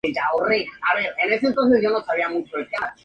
Sin embargo, nunca llegó a tener una gran audiencia.